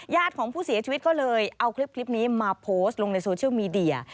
ของผู้เสียชีวิตก็เลยเอาคลิปนี้มาโพสต์ลงในโซเชียลมีเดีย